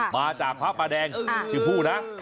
มาจากพระประแดงชื่อผู้นะ